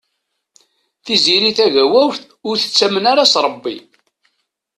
Tiziri Tagawawt ur tettamen ara s Ṛebbi.